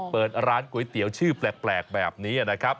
เปิดร้านก๋วยเตี๋ยวชื่อแปลกแบบนี้นะครับ